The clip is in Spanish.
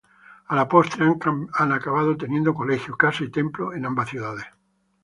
A la postre, han acabado teniendo colegio, casa y templo en ambas ciudades.